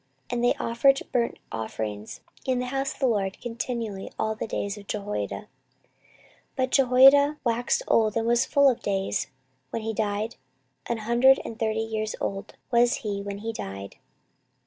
And they offered burnt offerings in the house of the LORD continually all the days of Jehoiada. 14:024:015 But Jehoiada waxed old, and was full of days when he died; an hundred and thirty years old was he when he died.